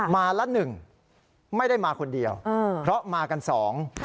ละหนึ่งไม่ได้มาคนเดียวเพราะมากันสอง